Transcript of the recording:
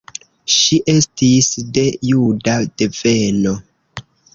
Ŝi estis de juda deveno.